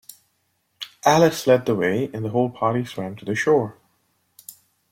Alice led the way, and the whole party swam to the shore.